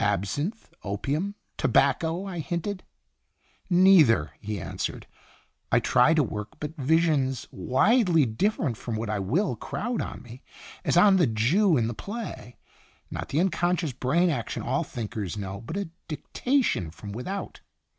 "Absinthe? opium? tobacco?" I hinted. " Neither/' he answered. " I try to work, but visions, widely different from what I will, crowd on me, as on the Jew in the play. Not the unconscious brain action all thinkers know, but a dictation from without.